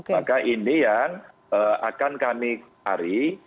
maka ini yang akan kami cari